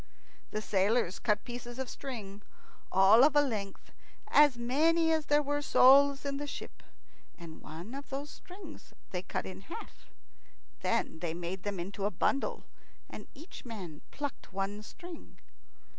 The sailors cut pieces of string, all of a length, as many as there were souls in the ship, and one of those strings they cut in half. Then they made them into a bundle, and each man plucked one string.